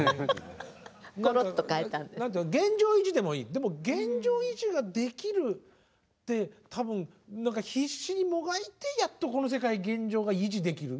でも現状維持ができるって多分必死にもがいてやっとこの世界現状が維持できる。